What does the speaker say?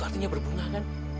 berarti dia berpunangan